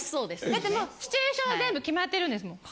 だってもうシチュエーションは全部決まってるんですもん。